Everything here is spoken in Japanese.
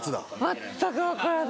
全く分からない。